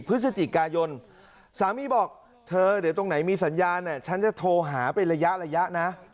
พฤศจิกายนสามีบอกเธอเดี๋ยวตรงไหนมีสัญญาณฉันจะโทรหาเป็นระยะระยะนะ